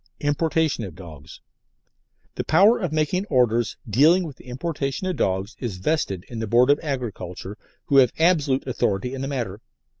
IMPORTATION OF DOGS The power of making Orders dealing with the importation of dogs is vested in the Board of Agriculture, who have absolute authority in the matter.